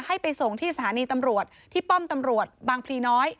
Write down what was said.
ให้ไปส่งที่สถานีตำรวจที่ป้อมตำรวจบางพลีน้อย